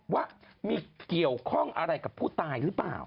ว่ามีเกี่ยวข้องอะไรกับผู้ตายหรือเปล่า